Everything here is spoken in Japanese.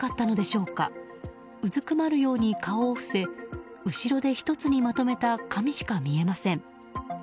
うずくまるように顔を伏せ後ろで１つにまとめた髪しか見えません。